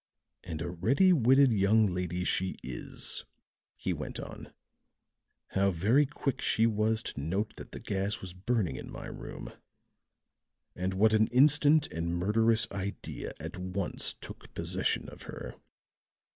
"And a ready witted young lady she is," he went on. "How very quick she was to note that the gas was burning in my room; and what an instant and murderous idea at once took possession of her.